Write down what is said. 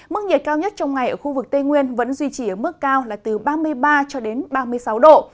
mức nhiệt cao nhất trong ngày ở khu vực tây nguyên vẫn duy trì ở mức cao là từ ba mươi ba cho đến ba mươi sáu độ